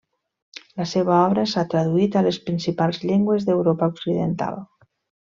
La seva obra s'ha traduït a les principals llengües d'Europa occidental.